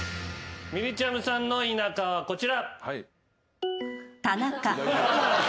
みりちゃむさんの「イナカ」はこちら。